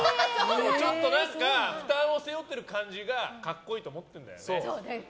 ちょっと負担背負ってる感じが格好いいと思ってるから。